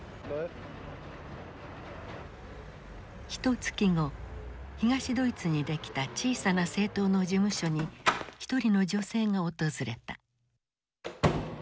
ひとつき後東ドイツにできた小さな政党の事務所に一人の女性が訪れた。